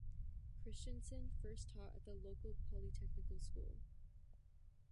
Christiansen first taught at the local polytechnical school.